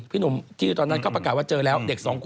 พี่หนุ่มที่ตอนนั้นเขาประกาศว่าเจอแล้ว